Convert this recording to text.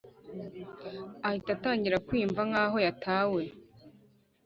ahita atangira kwiyumva nkaho yatawe